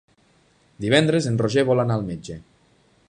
Divendres en Roger vol anar al metge.